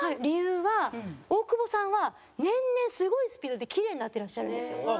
理由は大久保さんは年々すごいスピードでキレイになってらっしゃるんですよ。